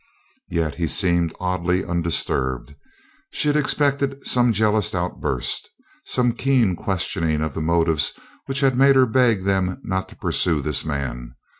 Yet he seemed oddly undisturbed. She had expected some jealous outburst, some keen questioning of the motives which had made her beg them not to pursue this man.